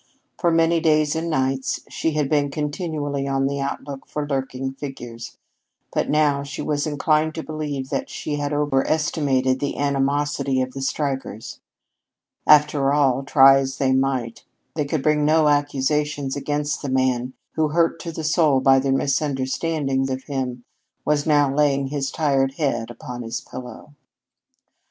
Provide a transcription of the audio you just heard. For many days and nights she had been continually on the outlook for lurking figures, but now she was inclined to believe that she had overestimated the animosity of the strikers. After all, try as they might, they could bring no accusations against the man who, hurt to the soul by their misunderstanding of him, was now laying his tired head upon his pillow.